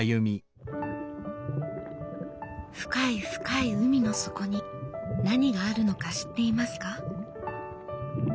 深い深い海の底に何があるのか知っていますか？